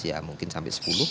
ya mungkin sampai sepuluh